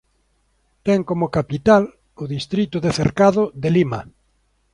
Ten como "capital" o distrito de Cercado de Lima.